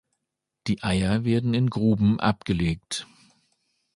Die Eier werden in Gruben abgelegt.